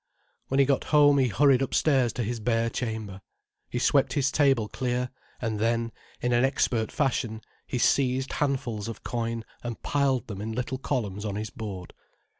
When he got home he hurried upstairs to his bare chamber. He swept his table clear, and then, in an expert fashion, he seized handfuls of coin and piled them in little columns on his board.